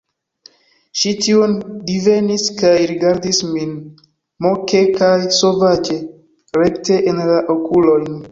Ŝi tion divenis, kaj rigardis min moke kaj sovaĝe, rekte en la okulojn.